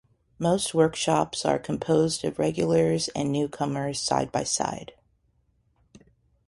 Most workshops are composed of regulars and newcomers side-by-side.